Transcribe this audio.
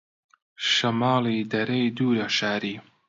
شەماڵی دەرەی دوورە شاری